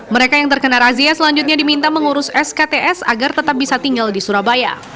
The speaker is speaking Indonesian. mereka yang terkena razia selanjutnya diminta mengurus skts agar tetap bisa tinggal di surabaya